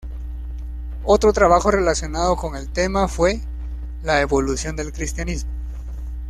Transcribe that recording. Otro trabajo relacionado con el tema fue "La Evolución del Cristianismo".